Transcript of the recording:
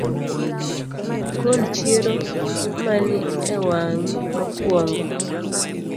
Gol chiero mani ewang’I mokuongo